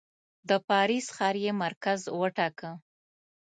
د پاریس ښار یې مرکز وټاکه.